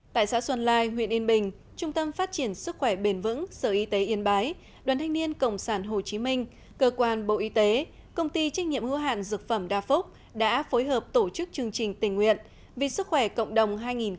tại xã xuân lai huyện yên bình trung tâm phát triển sức khỏe bền vững sở y tế yên bái đoàn thanh niên cộng sản hồ chí minh cơ quan bộ y tế công ty trách nhiệm hữu hạn dược phẩm đa phúc đã phối hợp tổ chức chương trình tình nguyện vì sức khỏe cộng đồng hai nghìn một mươi chín